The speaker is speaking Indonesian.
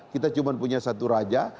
kita cuma punya satu raja